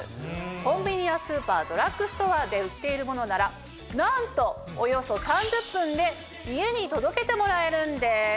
コンビニやスーパードラッグストアで売っているものならなんとおよそ３０分で家に届けてもらえるんです。